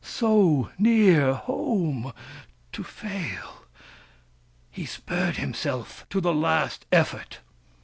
So near home, to fail ! He spurred himself to the last effort.